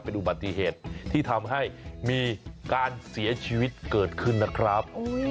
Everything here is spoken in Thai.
อุบัติเหตุที่ทำให้มีการเสียชีวิตเกิดขึ้นนะครับ